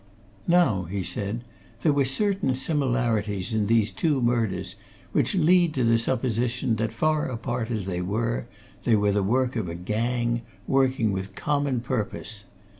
"Now," he said, "there were certain similarities in these two murders which lead to the supposition that, far apart as they were, they were the work of a gang, working with common purpose.